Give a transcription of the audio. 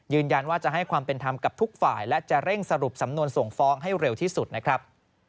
ยืนยันว่าจะให้ความเป็นธรรมกับทุกฝ่ายและจะเร่งสรุปสำนวนส่งฟ้องให้เร็วที่สุดนะครับ